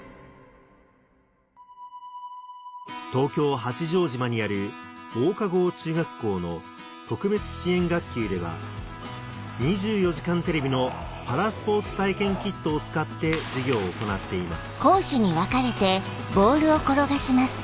東京・八丈島にある大賀郷中学校の特別支援学級では『２４時間テレビ』のパラスポーツ体験キットを使って授業を行っています